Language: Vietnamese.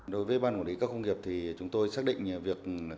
đối với ban quản lý các công nghiệp thì chúng tôi xác định việc